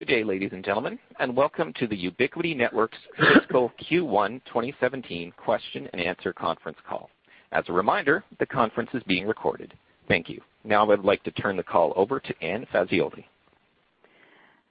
Good day, ladies and gentlemen, and welcome to the Ubiquiti Networks Fiscal Q1 2017 Question and Answer Conference Call. As a reminder, the conference is being recorded. Thank you. Now I'd like to turn the call over to Anne Fazioli.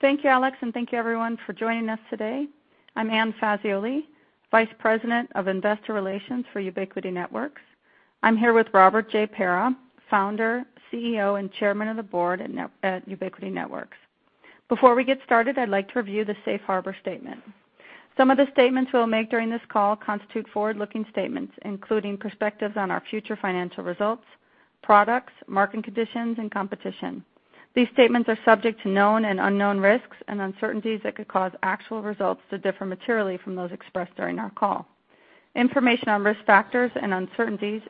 Thank you, Alex, and thank you, everyone, for joining us today. I'm Anne Fazioli, Vice President of Investor Relations for Ubiquiti Networks. I'm here with Robert J. Pera, Founder, CEO, and Chairman of the Board at Ubiquiti Networks. Before we get started, I'd like to review the Safe Harbor Statement. Some of the statements we'll make during this call constitute forward-looking statements, including perspectives on our future financial results, products, market conditions, and competition. These statements are subject to known and unknown risks and uncertainties that could cause actual results to differ materially from those expressed during our call. Information on risk factors and uncertainties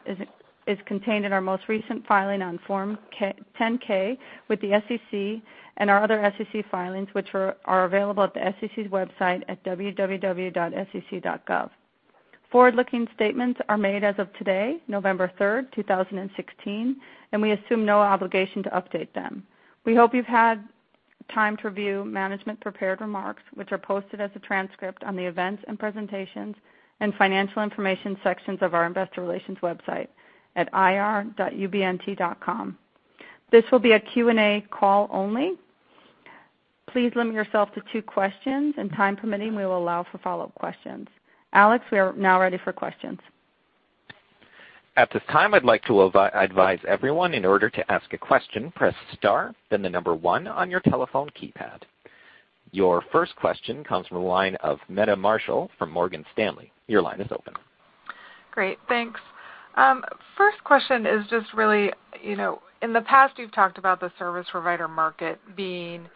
is contained in our most recent filing on Form 10-K with the SEC and our other SEC filings, which are available at the SEC's website at www.sec.gov. Forward-looking statements are made as of today, November 3rd, 2016, and we assume no obligation to update them. We hope you've had time to review management-prepared remarks, which are posted as a transcript on the events and presentations and financial information sections of our Investor Relations website at ir.ubnt.com. This will be a Q&A call only. Please limit yourself to two questions, and time permitting, we will allow for follow-up questions. Alex, we are now ready for questions. At this time, I'd like to advise everyone in order to ask a question, press star, then the number one on your telephone keypad. Your first question comes from the line of Meta Marshall from Morgan Stanley. Your line is open. Great, thanks. First question is just really, in the past, you've talked about the service provider market being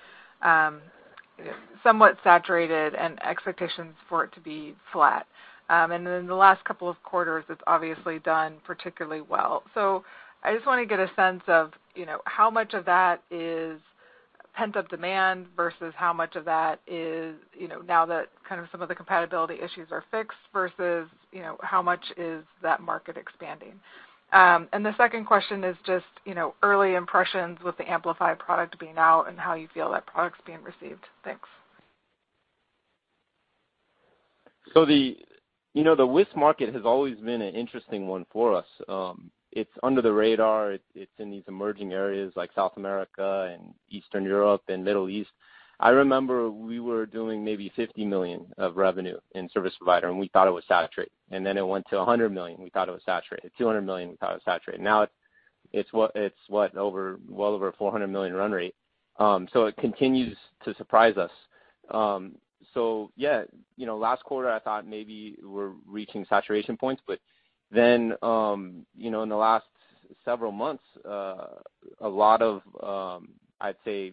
somewhat saturated and expectations for it to be flat. In the last couple of quarters, it's obviously done particularly well. I just want to get a sense of how much of that is pent-up demand versus how much of that is now that kind of some of the compatibility issues are fixed versus how much is that market expanding. The second question is just early impressions with the AmpliFi product being out and how you feel that product's being received. Thanks. The WIS market has always been an interesting one for us. It's under the radar. It's in these emerging areas like South America and Eastern Europe and Middle East. I remember we were doing maybe $50 million of revenue in service provider, and we thought it was saturated. And then it went to $100 million. We thought it was saturated. $200 million, we thought it was saturated. Now it's what, well over $400 million run rate. It continues to surprise us. Last quarter, I thought maybe we're reaching saturation points, but then in the last several months, a lot of, I'd say,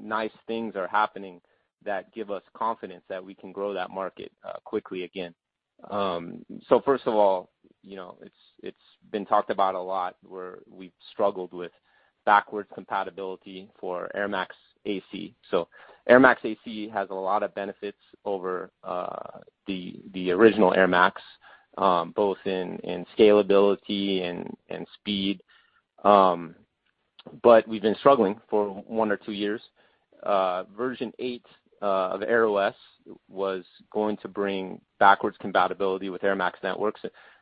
nice things are happening that give us confidence that we can grow that market quickly again. First of all, it's been talked about a lot where we've struggled with backwards compatibility for airMAX AC. airMAX AC has a lot of benefits over the original airMax, both in scalability and speed. We've been struggling for one or two years. Version 8 of airOS was going to bring backwards compatibility with airMAX networks.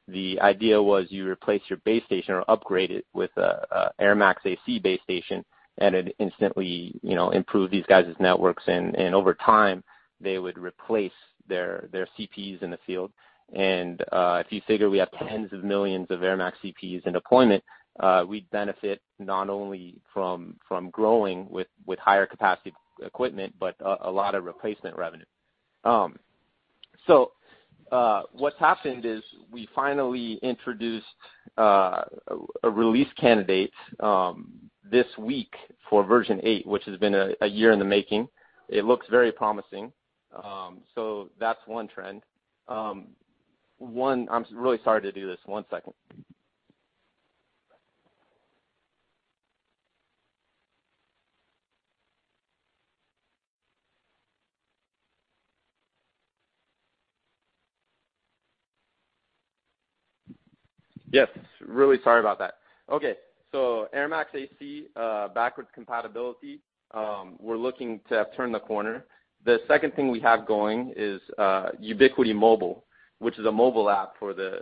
The idea was you replace your base station or upgrade it with an airMAX AC base station and it instantly improved these guys' networks. Over time, they would replace their CPs in the field. If you figure we have tens of millions of airMAX CPs in deployment, we'd benefit not only from growing with higher capacity equipment, but a lot of replacement revenue. What's happened is we finally introduced a release candidate this week for Version 8, which has been a year in the making. It looks very promising. That's one trend. I'm really sorry to do this. One second. Yes, really sorry about that. Okay, so airMAX AC backwards compatibility, we're looking to turn the corner. The second thing we have going is Ubiquiti Mobile, which is a mobile app for the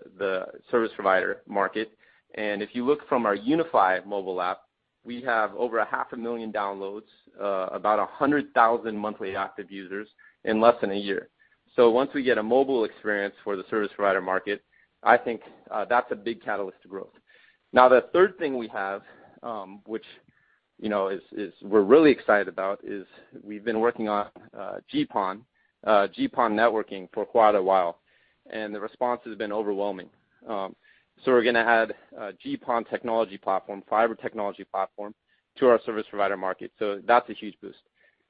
service provider market. If you look from our UniFi mobile app, we have over 500,000 downloads, about 100,000 monthly active users in less than a year. Once we get a mobile experience for the service provider market, I think that's a big catalyst to growth. The third thing we have, which we're really excited about, is we've been working on GPON, GPON networking for quite a while, and the response has been overwhelming. We're going to add a GPON technology platform, fiber technology platform, to our service provider market. That's a huge boost.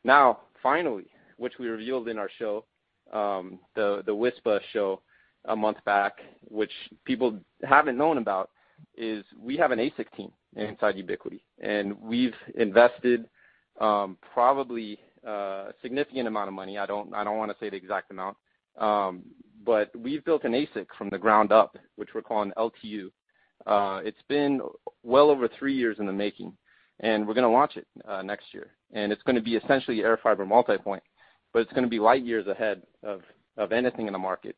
Now finally, which we revealed in our show, the WISPA show a month back, which people haven't known about, is we have an ASIC team inside Ubiquiti. And we've invested probably a significant amount of money. I don't want to say the exact amount, but we've built an ASIC from the ground up, which we're calling LTU. It's been well over three years in the making, and we're going to launch it next year. It's going to be essentially air fiber multipoint, but it's going to be light years ahead of anything in the market.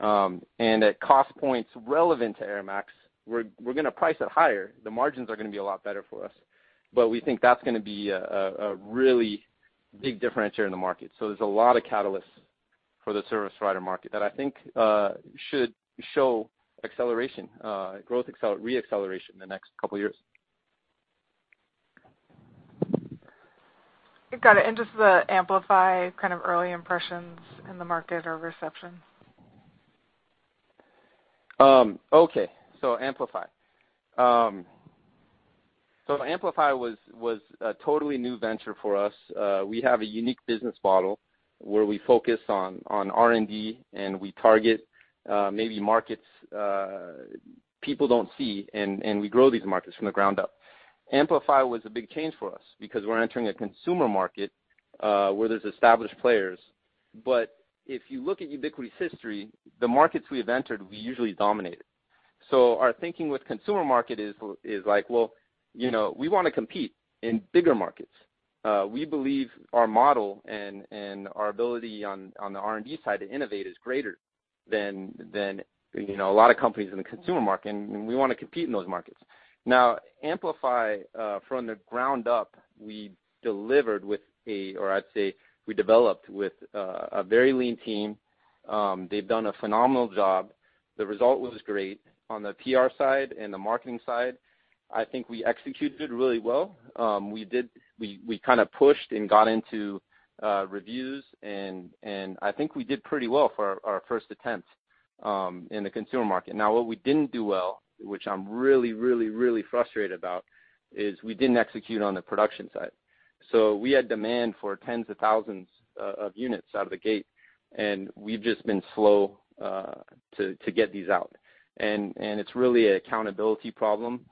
At cost points relevant to airMAX, we're going to price it higher. The margins are going to be a lot better for us, but we think that's going to be a really big differentiator in the market. There is a lot of catalysts for the service provider market that I think should show acceleration, growth, re-acceleration in the next couple of years. Got it. Just the AmpliFi kind of early impressions in the market or reception. Okay, so AmpliFi. AmpliFi was a totally new venture for us. We have a unique business model where we focus on R&D, and we target maybe markets people do not see, and we grow these markets from the ground up. AmpliFi was a big change for us because we are entering a consumer market where there are established players. If you look at Ubiquiti's history, the markets we have entered, we usually dominated. Our thinking with the consumer market is like, we want to compete in bigger markets. We believe our model and our ability on the R&D side to innovate is greater than a lot of companies in the consumer market, and we want to compete in those markets. Now AmpliFi, from the ground up, we delivered with a, or I would say we developed with a very lean team. They have done a phenomenal job. The result was great on the PR side and the marketing side. I think we executed really well. We kind of pushed and got into reviews, and I think we did pretty well for our first attempt in the consumer market. Now what we didn't do well, which I'm really, really, really frustrated about, is we didn't execute on the production side. We had demand for tens of thousands of units out of the gate, and we've just been slow to get these out. It's really an accountability problem.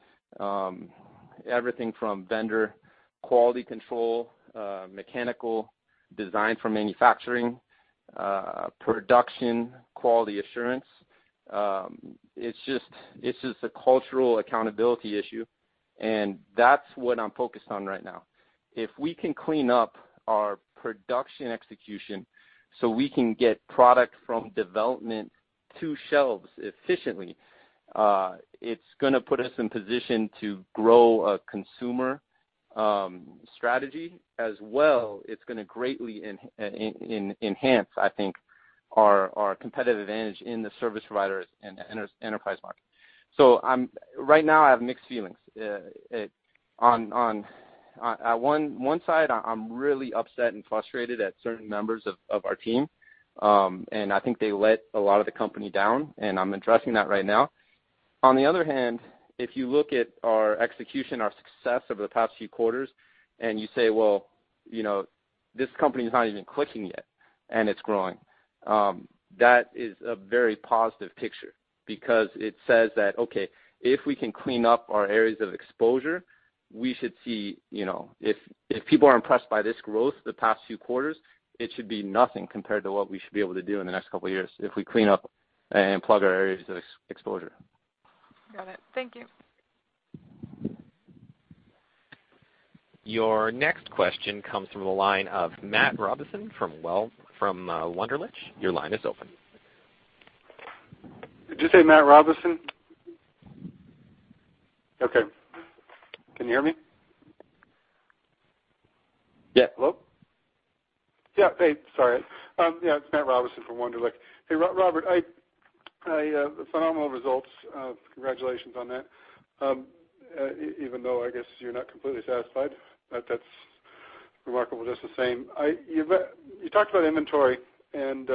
Everything from vendor, quality control, mechanical, design for manufacturing, production, quality assurance. It's just a cultural accountability issue, and that's what I'm focused on right now. If we can clean up our production execution so we can get product from development to shelves efficiently, it's going to put us in position to grow a consumer strategy. It is going to greatly enhance, I think, our competitive advantage in the service provider and enterprise market. Right now, I have mixed feelings. On one side, I'm really upset and frustrated at certain members of our team, and I think they let a lot of the company down, and I'm addressing that right now. On the other hand, if you look at our execution, our success over the past few quarters, and you say, well, this company is not even clicking yet, and it's growing, that is a very positive picture because it says that, okay, if we can clean up our areas of exposure, we should see if people are impressed by this growth the past few quarters, it should be nothing compared to what we should be able to do in the next couple of years if we clean up and plug our areas of exposure. Got it. Thank you. Your next question comes from the line of Matt Robison from Wunderlich. Your line is open. Did you say Matt Robison? Okay. Can you hear me? Yeah. Hello? Yeah, hey, sorry. Yeah, it's Matt Robison from Wunderlich. Hey, Robert, phenomenal results. Congratulations on that, even though I guess you're not completely satisfied. That's remarkable just the same. You talked about inventory, and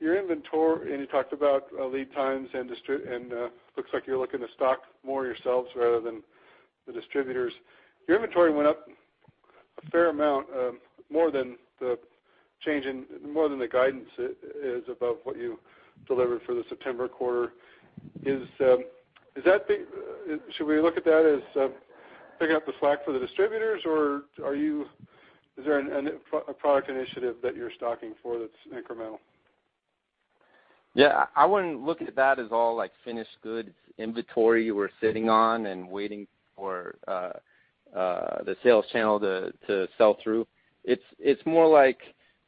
your inventory, and you talked about lead times, and it looks like you're looking to stock more yourselves rather than the distributors. Your inventory went up a fair amount, more than the change in, more than the guidance is above what you delivered for the September quarter. Is that, should we look at that as picking up the slack for the distributors, or is there a product initiative that you're stocking for that's incremental? Yeah, I wouldn't look at that as all finished goods. Inventory we're sitting on and waiting for the sales channel to sell through. It's more like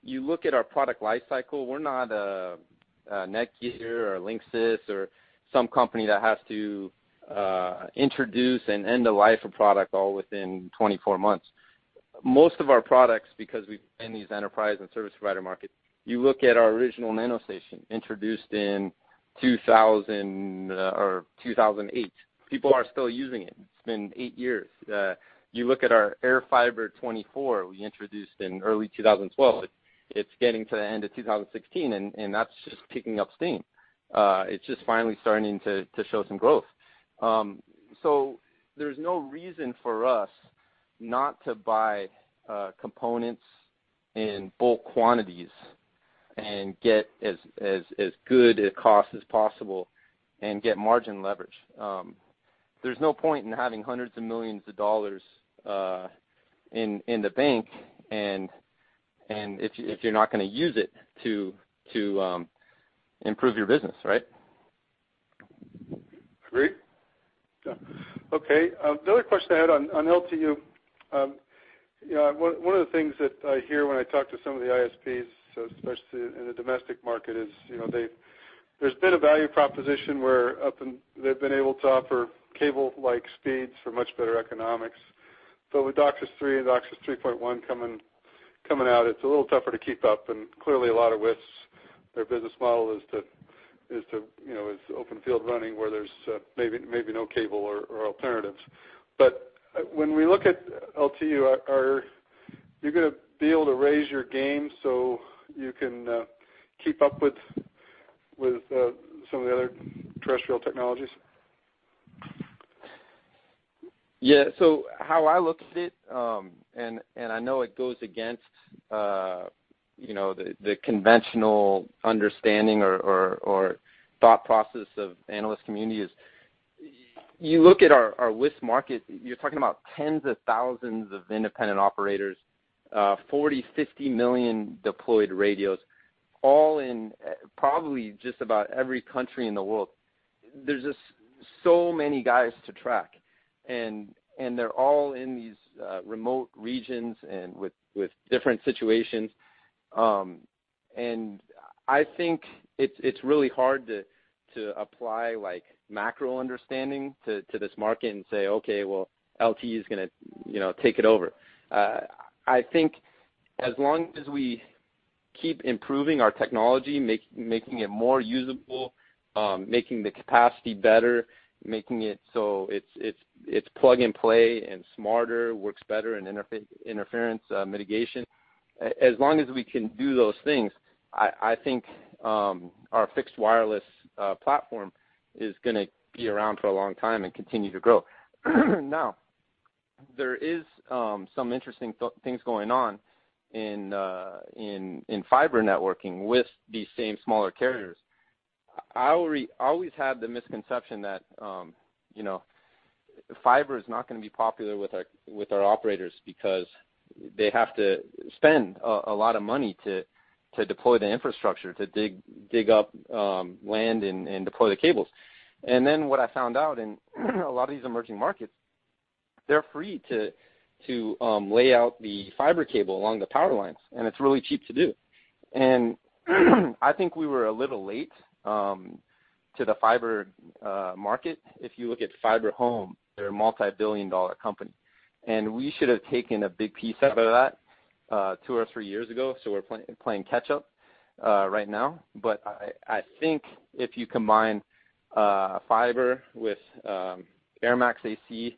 you look at our product lifecycle. We're not a Netgear or Linksys or some company that has to introduce and end the life of a product all within 24 months. Most of our products, because we've been in these enterprise and service provider markets, you look at our original NanoStation introduced in 2008. People are still using it. It's been eight years. You look at our airFiber 24 we introduced in early 2012, it's getting to the end of 2016, and that's just picking up steam. It's just finally starting to show some growth. There is no reason for us not to buy components in bulk quantities and get as good a cost as possible and get margin leverage. There's no point in having hundreds of millions of dollars in the bank if you're not going to use it to improve your business, right? Agree. Okay. The other question I had on LTU, one of the things that I hear when I talk to some of the ISPs, especially in the domestic market, is there's been a value proposition where they've been able to offer cable-like speeds for much better economics. With DOCSIS 3 and DOCSIS 3.1 coming out, it's a little tougher to keep up. Clearly, a lot of WIS, their business model is open field running where there's maybe no cable or alternatives. When we look at LTU, are you going to be able to raise your game so you can keep up with some of the other terrestrial technologies? Yeah. How I look at it, and I know it goes against the conventional understanding or thought process of the analyst community, is you look at our WIS market, you're talking about tens of thousands of independent operators, 40-50 million deployed radios, all in probably just about every country in the world. There are just so many guys to track, and they're all in these remote regions with different situations. I think it's really hard to apply macro understanding to this market and say, okay, LTU is going to take it over. I think as long as we keep improving our technology, making it more usable, making the capacity better, making it so it's plug and play and smarter, works better in interference mitigation, as long as we can do those things, I think our fixed wireless platform is going to be around for a long time and continue to grow. Now, there are some interesting things going on in fiber networking with these same smaller carriers. I always had the misconception that fiber is not going to be popular with our operators because they have to spend a lot of money to deploy the infrastructure, to dig up land and deploy the cables. What I found out in a lot of these emerging markets, they're free to lay out the fiber cable along the power lines, and it's really cheap to do. I think we were a little late to the fiber market. If you look at FiberHome, they're a multi-billion dollar company. We should have taken a big piece out of that two or three years ago, so we're playing catch-up right now. I think if you combine fiber with airMAX AC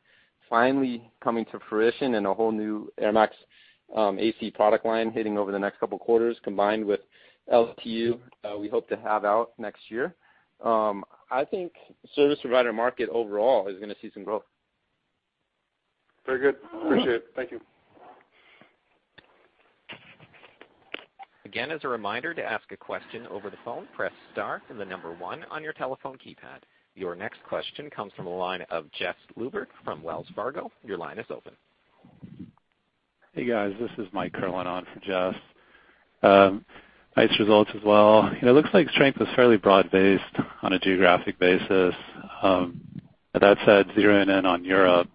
finally coming to fruition and a whole new airMAX AC product line hitting over the next couple of quarters, combined with LTU we hope to have out next year, I think service provider market overall is going to see some growth. Very good. Appreciate it. Thank you. Again, as a reminder, to ask a question over the phone, press star and the number one on your telephone keypad. Your next question comes from the line of Jeff Lubrick from Wells Fargo. Your line is open. Hey, guys. This is Mike Cariolano for Jeff. Nice results as well. It looks like strength is fairly broad-based on a geographic basis. That said, zeroing in on Europe,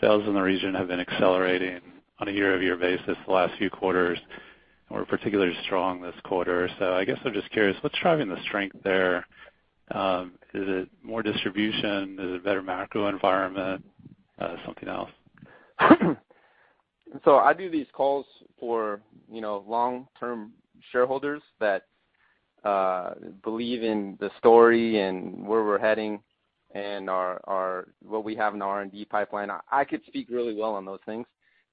sales in the region have been accelerating on a year-over-year basis the last few quarters. We're particularly strong this quarter. I guess I'm just curious, what's driving the strength there? Is it more distribution? Is it a better macro environment? Something else? I do these calls for long-term shareholders that believe in the story and where we're heading and what we have in our R&D pipeline. I could speak really well on those things.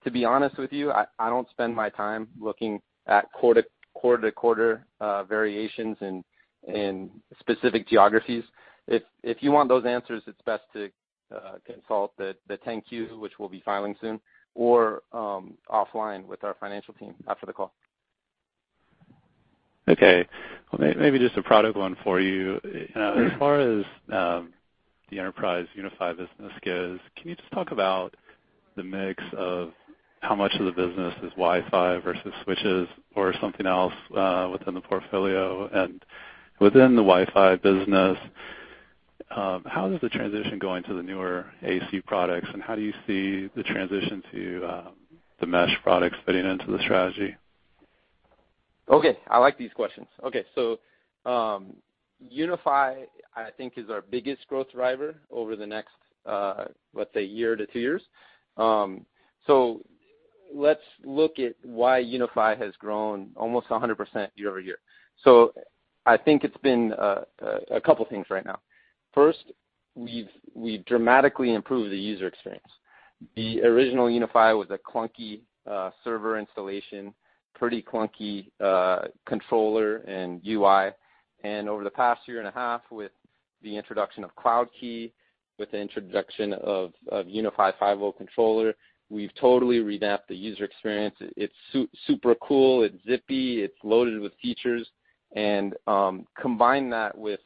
To be honest with you, I don't spend my time looking at quarter-to-quarter variations in specific geographies. If you want those answers, it's best to consult the 10-Q, which we'll be filing soon, or offline with our financial team after the call. Okay. Maybe just a product one for you. As far as the enterprise UniFi business goes, can you just talk about the mix of how much of the business is Wi-Fi versus switches or something else within the portfolio? Within the Wi-Fi business, how is the transition going to the newer AC products, and how do you see the transition to the mesh products fitting into the strategy? Okay. I like these questions. Okay. UniFi, I think, is our biggest growth driver over the next, let's say, year to two years. Let's look at why UniFi has grown almost 100% year-over-year. I think it's been a couple of things right now. First, we've dramatically improved the user experience. The original UniFi was a clunky server installation, pretty clunky controller and UI. Over the past year and a half, with the introduction of CloudKey, with the introduction of UniFi 5.0 controller, we've totally revamped the user experience. It's super cool. It's zippy. It's loaded with features. Combine that with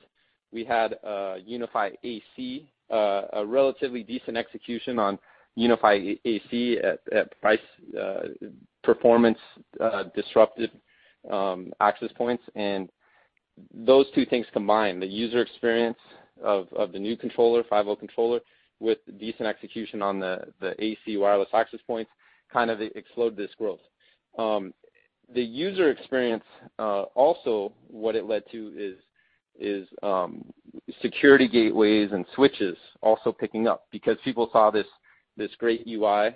we had UniFi AC, a relatively decent execution on UniFi AC at price, performance, disruptive access points. Those two things combined, the user experience of the new controller, 5.0 controller, with decent execution on the AC wireless access points, kind of exploded this growth. The user experience also, what it led to is security gateways and switches also picking up because people saw this great UI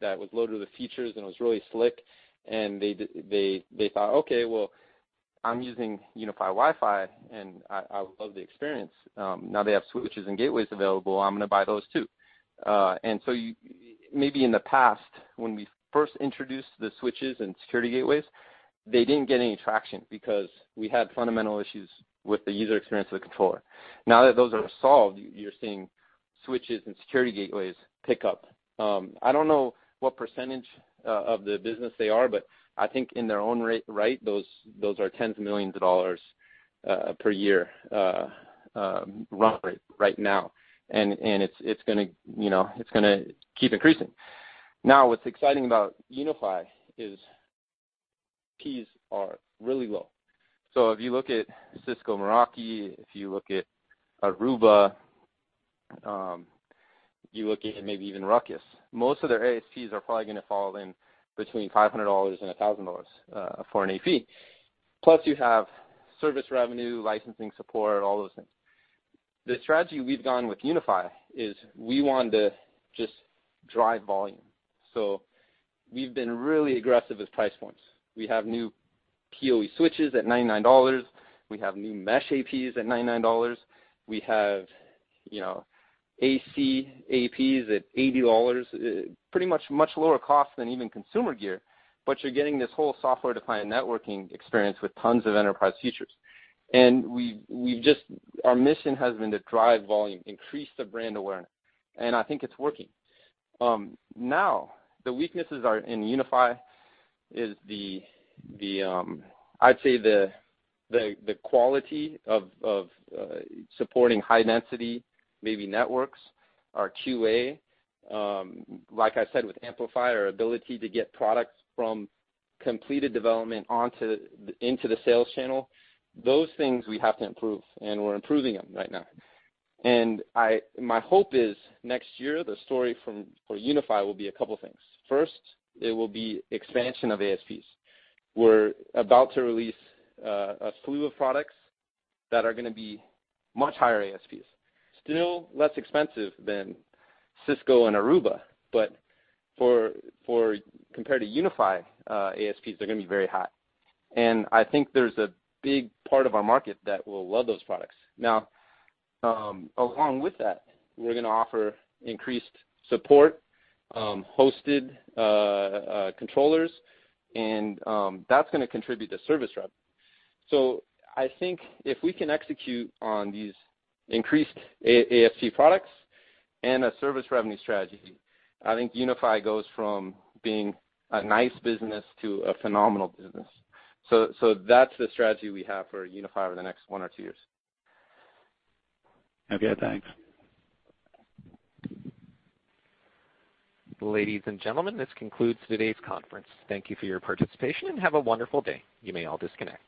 that was loaded with features and was really slick, and they thought, "Okay, well, I'm using UniFi Wi-Fi, and I love the experience. Now they have switches and gateways available. I'm going to buy those too." Maybe in the past, when we first introduced the switches and security gateways, they did not get any traction because we had fundamental issues with the user experience of the controller. Now that those are solved, you're seeing switches and security gateways pick up. I don't know what percentage of the business they are, but I think in their own right, those are tens of millions of dollars per year run rate right now, and it's going to keep increasing. Now, what's exciting about UniFi is fees are really low. If you look at Cisco Meraki, if you look at Aruba, you look at maybe even Ruckus, most of their ASPs are probably going to fall in between $500 and $1,000 for an AP. Plus, you have service revenue, licensing support, all those things. The strategy we've gone with UniFi is we want to just drive volume. We've been really aggressive with price points. We have new PoE switches at $99. We have new mesh APs at $99. We have AC APs at $80, pretty much lower cost than even consumer gear, but you're getting this whole software-defined networking experience with tons of enterprise features. Our mission has been to drive volume, increase the brand awareness, and I think it's working. Now, the weaknesses in UniFi is the, I'd say, the quality of supporting high-density maybe networks, our QA. Like I said, with AmpliFi, our ability to get products from completed development into the sales channel, those things we have to improve, and we're improving them right now. My hope is next year, the story for UniFi will be a couple of things. First, it will be expansion of ASPs. We're about to release a slew of products that are going to be much higher ASPs, still less expensive than Cisco and Aruba, but compared to UniFi, ASPs are going to be very high. I think there's a big part of our market that will love those products. Along with that, we're going to offer increased support, hosted controllers, and that's going to contribute to service revenue. I think if we can execute on these increased ASP products and a service revenue strategy, I think UniFi goes from being a nice business to a phenomenal business. That's the strategy we have for UniFi over the next one or two years. Okay. Thanks. Ladies and gentlemen, this concludes today's conference. Thank you for your participation and have a wonderful day. You may all disconnect.